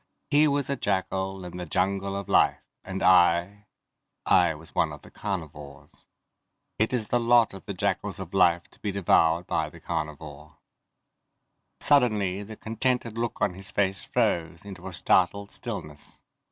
He was a jackal in the jungle of life, and I ... I was one of the carnivores. It is the lot of the jackals of life to be devoured by the carnivore. Suddenly the contented look on his face froze into a startled stillness.